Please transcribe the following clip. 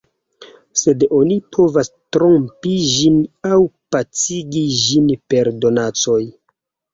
Sed oni povas trompi ĝin aŭ pacigi ĝin per donacoj.